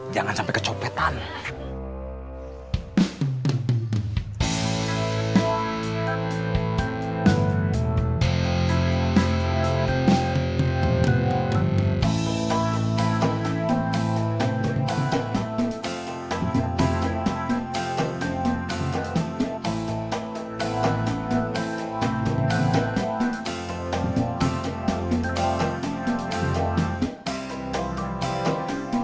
jangan sampai datang lalu